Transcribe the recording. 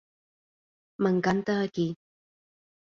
M'encanta aquí.